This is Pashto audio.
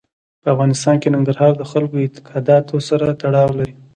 په افغانستان کې ننګرهار د خلکو د اعتقاداتو سره تړاو لري.